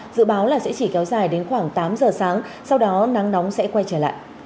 dự báo là sẽ chỉ kéo dài đến khoảng tám giờ sáng sau đó nắng nóng sẽ quay trở lại